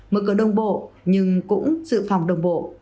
mở cửa đồng bộ nhưng cũng sự phòng đồng bộ